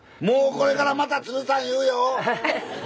もうこれからまた鶴さん言うよ。